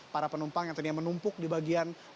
para penumpang yang tadinya menumpuk di bagian